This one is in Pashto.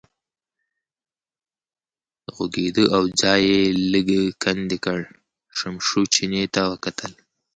غوږېده او ځای یې لږ کندې کړ، شمشو چیني ته وکتل.